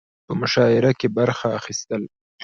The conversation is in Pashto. په مشاعره کې برخه اخستل